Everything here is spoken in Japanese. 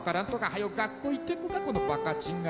「はよう学校行ってこんかこのバカチンが」